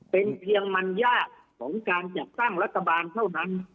เป็นเพียงมันยากของการจัดตั้งรัฐบาลเท่านั้น